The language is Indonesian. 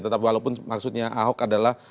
tetapi walaupun maksudnya ahok adalah